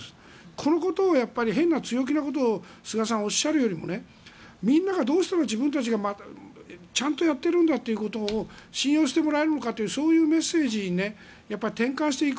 このことを変な強気なことを菅さんはおっしゃるよりもみんながどうしたら自分たちが、ちゃんとやっているんだってことを信用してもらえるのかというそういうメッセージに転換していく